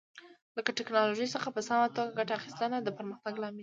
له ټکنالوژۍ څخه په سمه توګه ګټه اخیستنه د پرمختګ لامل شو.